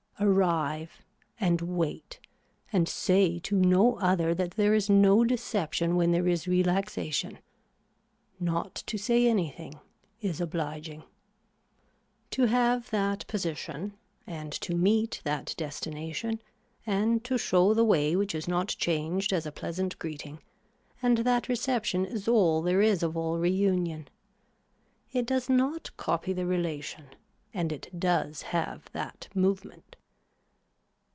Arrive and wait and say to no other that there is no deception when there is relaxation. Not to say anything is obliging. To have that position and to meet that destination and to show the way which is not changed as a pleasant greeting and that reception is all there is of all reunion. It does not copy the relation and it does have that movement.